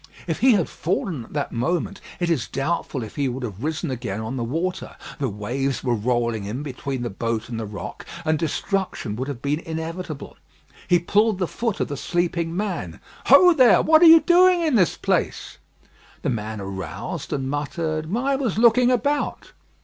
If he had fallen at that moment, it is doubtful if he would have risen again on the water; the waves were rolling in between the boat and the rock, and destruction would have been inevitable. He pulled the foot of the sleeping man. "Ho! there. What are you doing in this place?" The man aroused, and muttered "I was looking about."